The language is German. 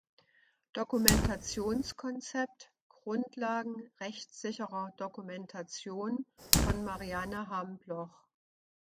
"Dokumentationskonzept – Grundlagen rechtssicherer Dokumentation" von Marianne Hambloch